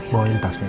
bawain tasnya juga